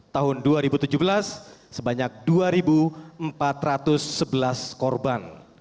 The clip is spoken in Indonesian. tahun dua ribu tujuh belas sebanyak dua empat ratus sebelas korban